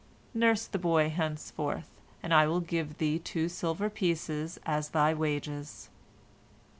Nurse the boy henceforth, and I will give thee two silver pieces as thy wages.